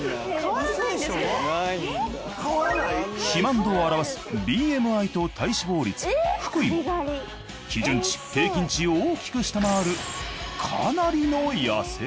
肥満度を表すＢＭＩと体脂肪率腹囲も基準値平均値を大きく下回る